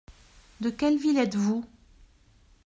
De quelle ville êtes-vous ?